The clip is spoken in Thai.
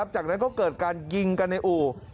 จากนั้นก็เกิดการยิงกันในอู่